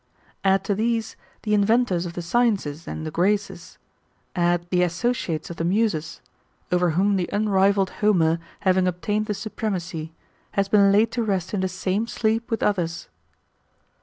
Add to these, the inventors of the sciences and the graces ; add the associates of the muses ; over whom the unrivalled Homer having obtained the supremacy, has been laid to rest in the same sleep with others.